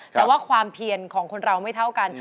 แต่ว่าความเพียนของคนเราไม่เท่ากัน